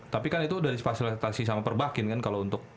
tapi kan itu udah disfasilitasi sama perbahkin kan kalau untuk